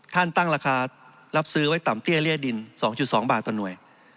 ตั้งราคารับซื้อไว้ต่ำเตี้ยเลี้ยดิน๒๒บาทต่อหน่วย